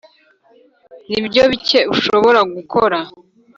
nibyo bike ushobora gukora